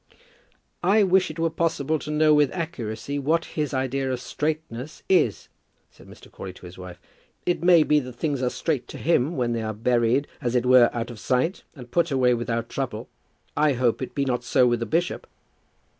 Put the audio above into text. "I wish it were possible to know with accuracy what his idea of straightness is," said Mr. Crawley to his wife. "It may be that things are straight to him when they are buried as it were out of sight, and put away without trouble. I hope it be not so with the bishop."